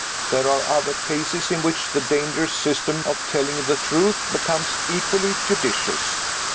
There are other cases in which the dangerous system of telling the truth becomes equally judicious.